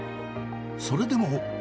それでも。